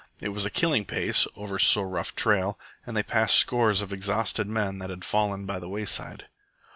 It was a killing pace, over so rough trail, and they passed scores of exhausted men that had fallen by the wayside.